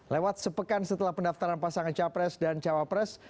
lewat sepekan setelah pendaftaran pasangan capres dan cawapres